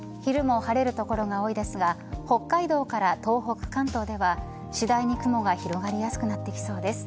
昼も晴れる所が多いですが北海道から東北、関東では次第に雲が広がりやすくなってきそうです。